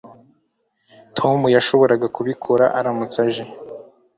Tom yashoboraga kubikora aramutse age